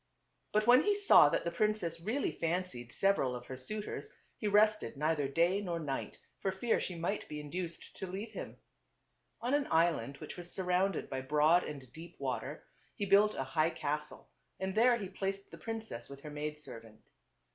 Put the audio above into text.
But when he saw that the princess really fancied several of her suitors, he rested neither day nor night for fear she might be induced to leave him. On an island which was surrounded by broad and 283 284 TWO BE OTHERS. Hi.dK Ckbtle ^ or\ tke A. &TV deep water, he built a high castle, and there he placed the princess with her maid servant.